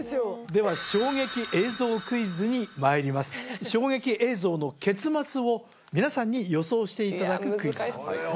では衝撃映像クイズにまいります衝撃映像の結末を皆さんに予想していただくクイズなんですよね